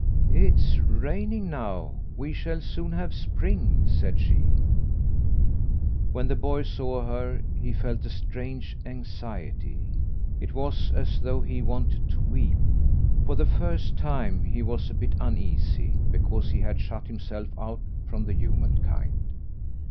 "It's raining; now we shall soon have spring," said she. When the boy saw her he felt a strange anxiety. It was as though he wanted to weep. For the first time he was a bit uneasy because he had shut himself out from the human kind.